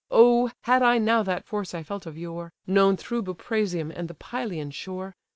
Oh! had I now that force I felt of yore, Known through Buprasium and the Pylian shore!